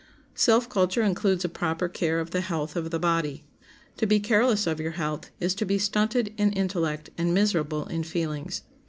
Self culture includes a proper care of the health of the body. To be careless of your health is to be stunted in intellect and miserable in feelings.